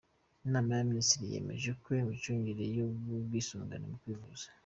Inama y‟Abaminisitiri yemeje ko imicungire y‟ubwisungane mu kwivuza